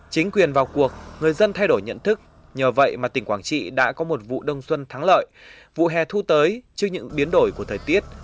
chính quyền vào cuộc người dân thay đổi nhận thức nhờ vậy mà tỉnh quảng trị đã có một vụ đông xuân thắng lợi vụ hè thu tới trước những biến đổi của thời tiết